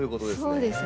そうですね。